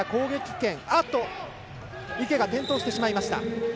池が転倒してしまいました。